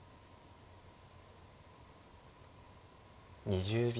２０秒。